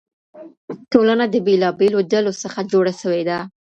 ټولنه د بېلابېلو ډلو څخه جوړه سوې ده.